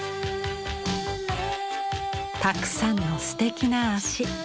たくさんのすてきな足。